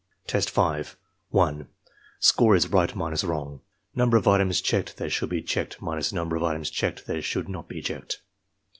Test 5 1. Score is right minus wrong (number of items checked that should be checked minus number of items checked that should not be checked).